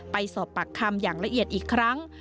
ไปสอบปากคำอย่างละเอียดอีกครั้ง